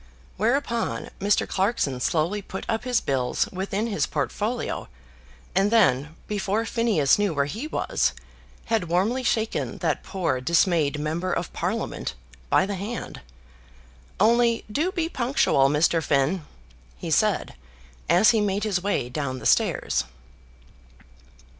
Whereupon Mr. Clarkson slowly put up his bills within his portfolio, and then, before Phineas knew where he was, had warmly shaken that poor dismayed member of Parliament by the hand. "Only do be punctual, Mr. Finn," he said, as he made his way down the stairs.